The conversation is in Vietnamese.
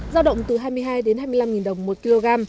giao động từ hai mươi hai đến hai mươi năm đồng một kg